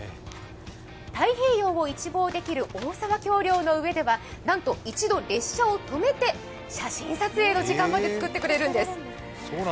太平洋を一望できる大沢橋梁の上ではなんと一度列車を止めて、写真撮影の時間まで作ってくれるんです。